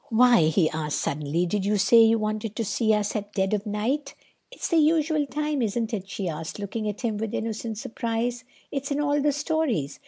"Why," he asked suddenly, "did you say you wanted to see us at dead of night?" "It's the usual time, isn't it?" she asked, looking at him with innocent surprise. "It is in all the stories.